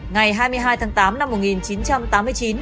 ngày hai mươi hai tháng tám năm một nghìn chín trăm tám mươi chín